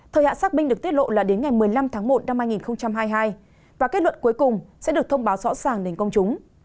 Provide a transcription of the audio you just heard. thời hạn xác minh được tiết lộ là đến ngày một mươi năm tháng một năm hai nghìn hai mươi hai và kết luận cuối cùng sẽ được thông báo rõ ràng đến công chúng